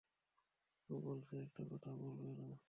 ও বলেছে একটা কথাও বলবে না।